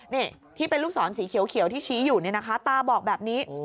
นี่ที่เป็นลูกศรสีเขียวที่ชี้อยู่ตาบอกแบบนี้